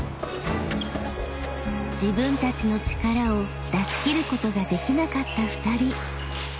［自分たちの力を出し切ることができなかった２人］